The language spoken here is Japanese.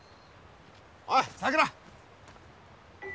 おいさくら。